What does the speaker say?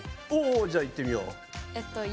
じゃあいってみよう。